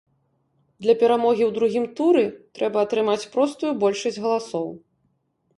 Для перамогі ў другім туры трэба атрымаць простую большасць галасоў.